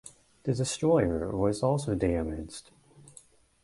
The destroyer was also damaged.